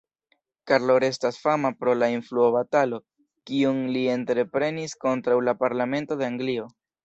Karlo restas fama pro la influo-batalo, kiun li entreprenis kontraŭ la Parlamento de Anglio.